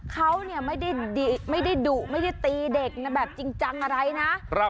เขาไม่ได้ดุไม่ได้ตีเด็กแบบจริงจังอะไรนะ